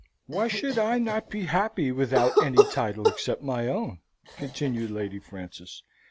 "Why should I not be happy without any title except my own?" continued Lady Frances.